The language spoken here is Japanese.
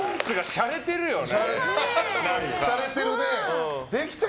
しゃれてるね。